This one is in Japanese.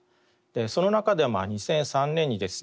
その中で２００３年にですね